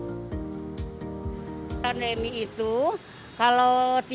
meski begitu seorang pemilik usaha di colong flyover keranji enggan untuk pindah ke lapak dagang lain